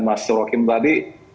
mas surokin tadi